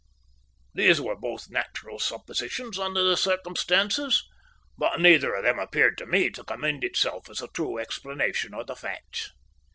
These were both natural suppositions under the circumstances, but neither of them appeared to me to commend itself as a true explanation of the facts.